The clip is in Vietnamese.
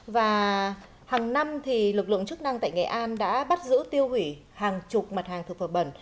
và hàng năm lực lượng chức năng tại nghệ an đã bắt giữ tiêu hủy hàng chục mặt hàng thực phẩm bẩn